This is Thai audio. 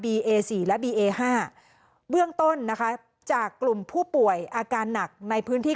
เอสี่และบีเอห้าเบื้องต้นนะคะจากกลุ่มผู้ป่วยอาการหนักในพื้นที่